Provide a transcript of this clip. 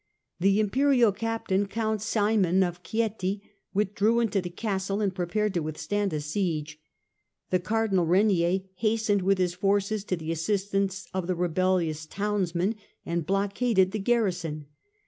The Imperial captain, Count Simon of Chieti, withdrew into the Castle and prepared to withstand a siege. The Cardinal Regnier hastened with his forces to the assistance of the rebellious towns men and blockaded the garrison.